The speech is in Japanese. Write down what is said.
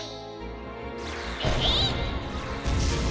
えい！